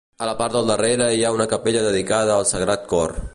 A la part del darrere hi ha una capella dedicada al Sagrat Cor.